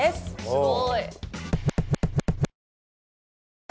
すごい！